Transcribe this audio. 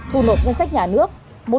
thu nộp ngân sách nhà nước